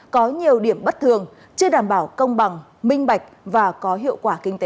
có nhiều điểm bất thường chưa đảm bảo công bằng minh bạch và có hiệu quả kinh tế